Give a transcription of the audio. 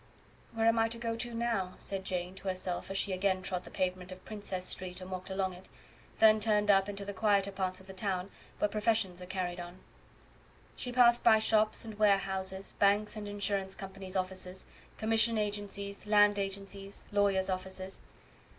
"Where am I to go to now?" said Jane to herself as she again trod the pavement of Princes Street and walked along it, then turned up into the quieter parts of the town where professions are carried on. She passed by shops, and warehouses, banks and insurance companies' offices, commission agencies, land agencies, lawyer's offices.